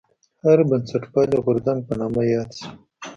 هر بنسټپالی غورځنګ په نامه یاد شي.